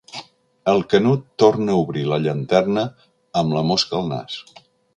El Canut torna a obrir la llanterna, amb la mosca al nas.